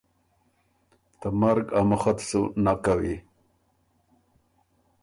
ته مرګ ا مخه ت سُو نک کوی۔